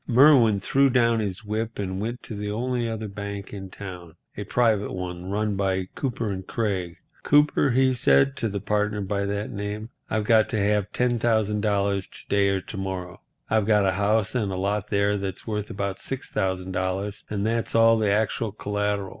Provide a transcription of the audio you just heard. Merwin threw down his whip and went to the only other bank in town, a private one, run by Cooper & Craig. "Cooper," he said, to the partner by that name, "I've got to have $10,000 to day or to morrow. I've got a house and lot there that's worth about $6,000 and that's all the actual collateral.